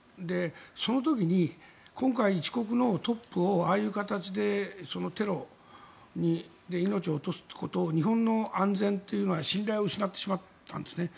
その時に今回、１国のトップをああいう形でテロで命を落とすこと日本の安全というのは信頼を失ってしまったんですね。